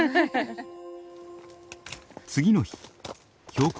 次の日標高